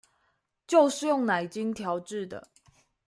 就是用奶精調製的